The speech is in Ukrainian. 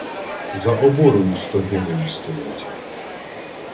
— За оборою стоги мої стоять.